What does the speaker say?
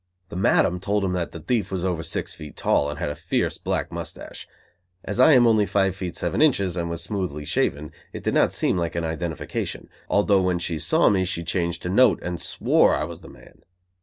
The Madam told him that the thief was over six feet tall and had a fierce black mustache. As I am only five feet seven inches and was smoothly shaven, it did not seem like an identification; although when she saw me she changed her note, and swore I was the man.